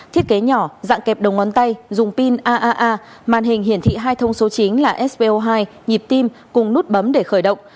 thiết kế nhỏ dạng kẹp đồng ngón tay dùng pin aaa màn hình hiển thị hai thông số chính là sbo hai nhịp tim cùng nút bấm để khởi động